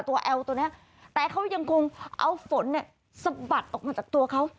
ตัวเอลตัวนี้แต่เขายังคงเอาฝนสะบัดออกมาจากตัวเขา